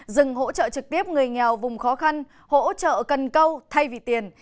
dừng hỗ trợ trực tiếp người nghèo vùng khó khăn hỗ trợ cần câu thay vì tiền